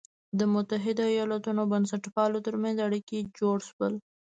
د متحدو ایالتونو او بنسټپالو تر منځ اړیکي جوړ شول.